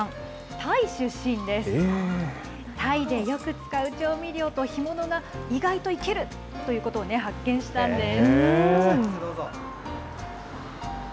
タイでよく使う調味料と干物が意外といけるということを発見したんです。